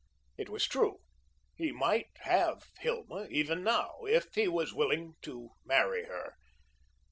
It was true, he might have Hilma, even now, if he was willing to marry her.